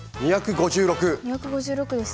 ２５６ですね。